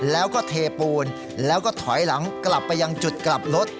แล้วก็เทปูนแล้วก็ถอยหลังกลับไปยังจุดกลับรถ